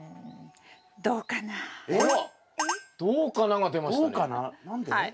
「どうかな？」が出ましたね。